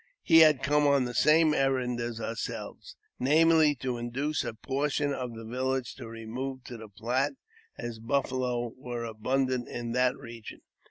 He had come on the same errand as ourselves, namely, to' induce a portion of the village to remove to the Platte, as buffalo were abundant in that region.